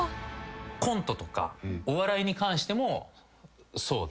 コントとかお笑いに関してもそうで。